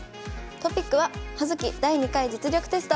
トピックは「葉月第２回実力テスト」。